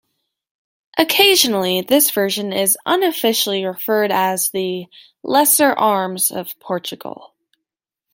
Occasionally, this version is unofficially referred as the "lesser arms of Portugal".